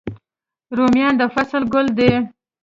رومیان د فصل ګل دی